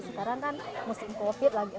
sekarang kan musim covid masuk ke rumah kami ya mas